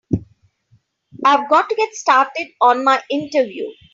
I've got to get started on my interview.